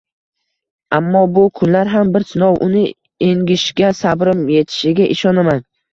Ammo bu kunlar ham bir sinov, uni engishga sabrim etishiga ishonaman